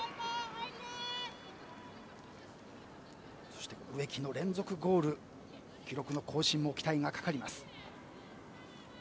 そして、植木の連続ゴール記録の更新も期待がかかります。